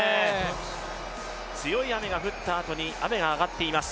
強い雨が降ったあとに雨が上がっています。